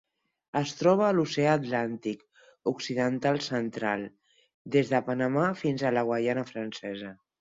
Es troba a l'Oceà Atlàntic occidental central: des de Panamà fins a la Guaiana Francesa.